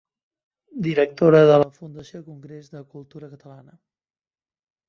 Directora de la Fundació Congrés de Cultura Catalana.